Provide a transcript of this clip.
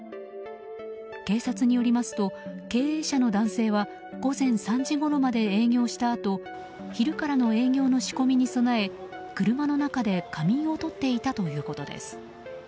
警察によりますと経営者の男性は午前３時ごろまで営業したあと昼からの営業の仕込みに備え車の中で仮眠をとっていたということです。